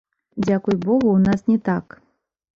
Дзякуй богу, у нас не так.